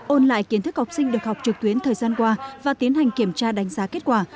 ôn lại kiến thức học sinh được học trực tuyến thời gian qua và tiến hành kiểm tra đánh giá kết quả